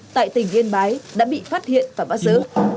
tại tỉnh yên bái đã bị phát hiện và bắt giữ